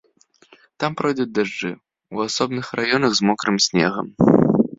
Там пройдуць дажджы, у асобным раёнах з мокрым снегам.